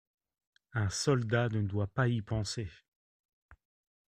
Un soldat ne doit pas y penser.